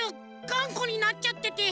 がんこになっちゃってて。